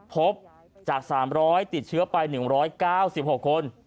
พบจาก๓๐๐ติดเชื้อไป๑๙๖คน